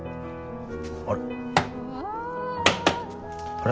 あれ？